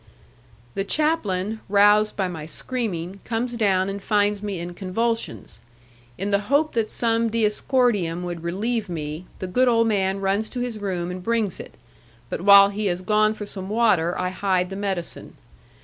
The chaplain, roused by my screaming, comes down and finds me in convulsions. In the hope that some diascordium would relieve me, the good old man runs to his room and brings it, but while he has gone for some water I hide the medicine.